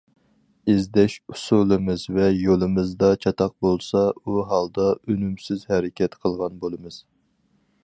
ئىزدەش ئۇسۇلىمىز ۋە يولىمىزدا چاتاق بولسا ئۇ ھالدا ئۈنۈمسىز ھەرىكەت قىلغان بولىمىز.